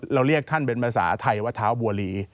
เรียกท่านเป็นภาษาไทยว่าเท้าบัวลี